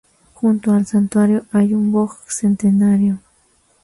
Junto al santuario hay un boj centenario.